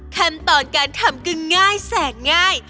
ขั้นตอนการทำก็ง่ายแสกง่าย